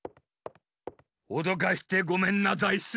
おどかしてごめんなザイス。